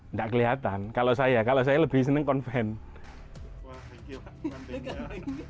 enggak kelihatan kalau saya kalau saya lebih seneng konvensi